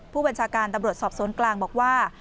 ผู้บัญชาการตำรวจสอบสวนกลางบอกว่า